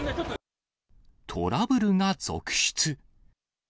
トラブルが続出。